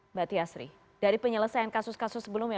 mbak tiasri dari penyelesaian kasus kasus sebelumnya